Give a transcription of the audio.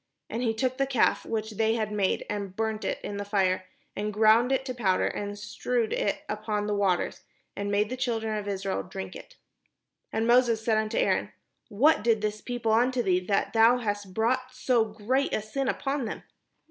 And he took the calf which they had made, and burnt it in the fire, and ground it to powder, and strewed it upon the water, and made the children of Israel drink of it. And Moses said unto Aaron: "What did this people unto thee, that thou hast brought so great a sin upon them?"